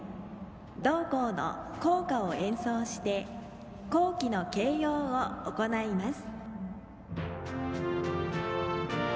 同校の校歌を演奏して校旗の掲揚を行います。